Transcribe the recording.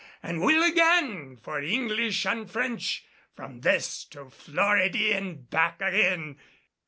An' will again for English an' French, from this to Floridy an' back agin."